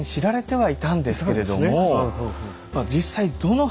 はい！